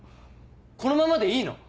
このままでいいの？